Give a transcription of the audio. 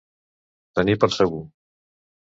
Tenir per segur.